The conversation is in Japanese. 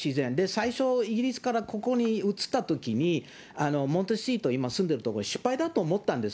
最初イギリスからここに移ったときに、と住んでる所、失敗だと思ったんです。